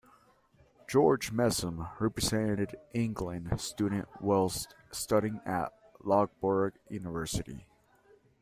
George Messum represented England Students whilst studying at Loughborough University.